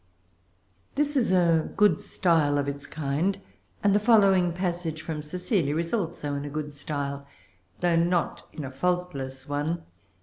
This is a good style of its kind; and the following passage from Cecilia is also in a good style, though not in a faultless one.